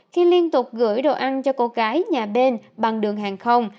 khi liên tục gửi đồ ăn cho cô gái nhà bên bằng đường hàng không